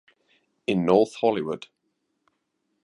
In North Hollywood.